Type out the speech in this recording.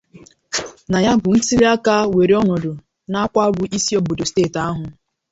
na ya bụ ntụliaka wééré ọnọdụ n'Awka bụ isi obodo steeti ahụ.